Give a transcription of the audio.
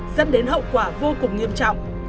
dẫn đến hậu quả vô cùng nghiêm trọng